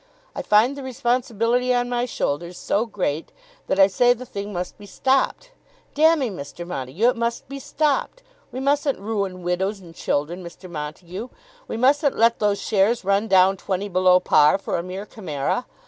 I find the responsibility on my own shoulders so great that I say the thing must be stopped. Damme, Mr. Montague, it must be stopped. We mustn't ruin widows and children, Mr. Montague. We mustn't let those shares run down 20 below par for a mere chimera.